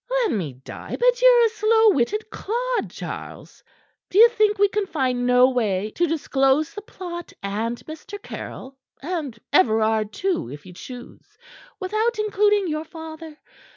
"Let me die, but ye're a slow witted clod, Charles. D'ye think we can find no way to disclose the plot and Mr. Caryll and Everard, too, if you choose without including your father?